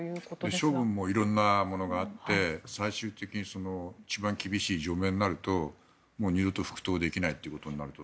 処分も色んなものがあって最終的に一番厳しい除名になると二度と復党できないということになると。